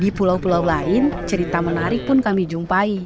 di pulau pulau lain cerita menarik pun kami jumpai